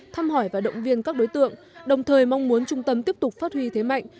thăm hỏi và động viên các đối tượng đồng thời mong muốn trung tâm tiếp tục phát huy thế mạnh